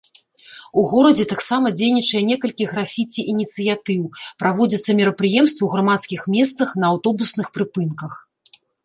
У горадзе таксама дзейнічае некалькі графіці-ініцыятыў, праводзяцца мерапрыемствы ў грамадскіх месцах, на аўтобусных прыпынках.